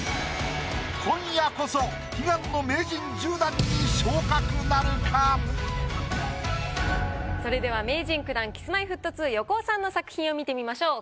今夜こそ悲願のそれでは名人９段Ｋｉｓ−Ｍｙ−Ｆｔ２横尾さんの作品を見てみましょう。